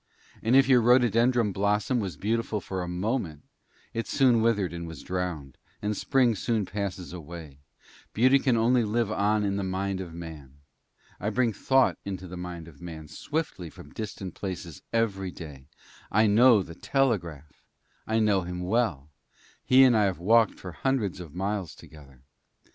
Or if your rhododendron blossom was beautiful for a moment, it soon withered and was drowned, and spring soon passes away; beauty can only live on in the mind of Man. I bring thought into the mind of Man swiftly from distant places every day. I know the Telegraph I know him well; he and I have walked for hundreds of miles together.